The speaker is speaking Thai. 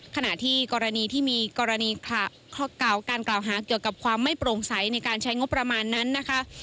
ขณะที่กรณีที่มีกรณีการกล่าวหาเกี่ยวกับความไม่โปร่งใสในการใช้งบประมาณนั้นนะคะ